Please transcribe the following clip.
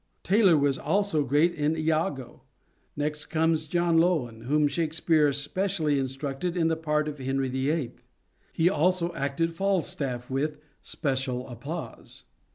Taylor was also great in lago. Next comes John Lowin, whom Shakespeare specially instructed in the part of Henry VHI. He also acted Falstaff with " special applause."